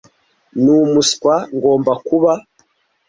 ni umuswa ngomba kuba